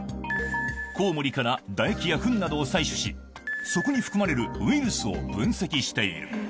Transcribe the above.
コウモリから唾液やふんなどを採取し、そこに含まれるウイルスを分析している。